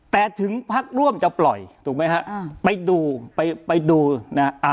แต่ถึงพักร่วมจะปล่อยไปดูไปดูนะฮะ